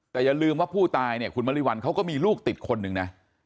แต่อย่าลืมว่าผู้ตายเนี่ยคุณมริวัลเขาก็มีลูกติดคนหนึ่งนะ